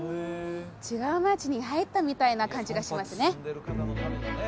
違う街に入ったみたいな感じがしますね